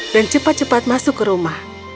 dan cepat cepat masuk ke rumah